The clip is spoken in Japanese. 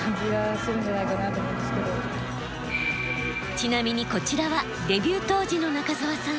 ちなみにこちらはデビュー当時の中澤さん。